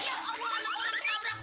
ya ampun ampun ampun